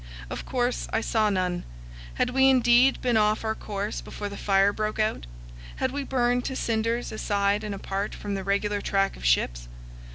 Of course I saw none. Had we indeed been off our course before the fire broke out? Had we burned to cinders aside and apart from the regular track of ships?